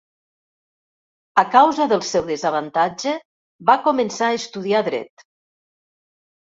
A causa del seu desavantatge, va començar a estudiar dret.